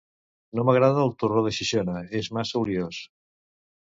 No m'agrada el torró de Xixona, és massa oliós.